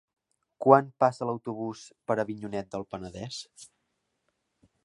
Quan passa l'autobús per Avinyonet del Penedès?